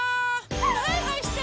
はいはいして！